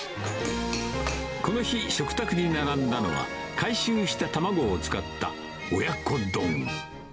この日、食卓に並んだのは、回収した卵を使った親子丼。